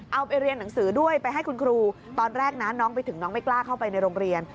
เอาไปเรียนหนังสือด้วยไปให้คุณครูตอนแรกนะน้องไปถึงน้องไม่กล้าเข้าไปในโรงเรียน